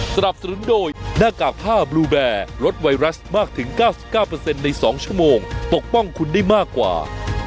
สนับสนุนโดยหน้ากากผ้าบลูแบร์ลดไวรัสมากถึง๙๙ใน๒ชั่วโมงปกป้องคุณได้มากกว่า